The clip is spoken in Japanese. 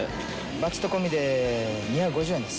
バッジと込みで、２５０円です。